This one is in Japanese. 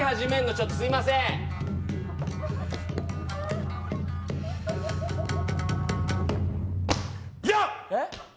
ちょっとすいませんヤーッえっ？